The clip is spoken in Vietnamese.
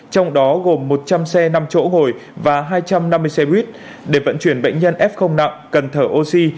trong đó gồm một trăm linh xe năm chỗ ngồi và hai trăm năm mươi xe buýt để vận chuyển bệnh nhân f nặng cần thở oxy